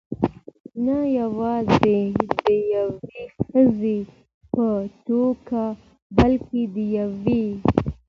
نه یوازې د یوې ښځې په توګه، بلکې د یوې .